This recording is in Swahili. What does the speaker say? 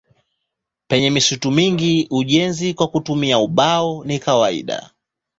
Penye misitu mingi ujenzi kwa kutumia ubao ni kawaida.